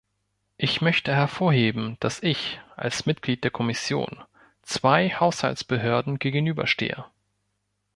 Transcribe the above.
Ich möchte hervorheben, dass ich, als Mitglied der Kommission, zwei Haushaltsbehörden gegenüberstehe.